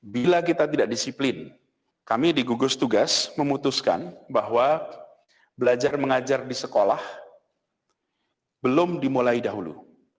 bila kita tidak disiplin kami di gugus tugas memutuskan bahwa belajar mengajar di sekolah belum dimulai dahulu